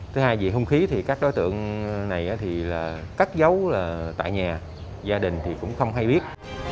thứ hai về hung khí thì các đối tượng này thì là cắt dấu tại nhà gia đình thì cũng không hay biết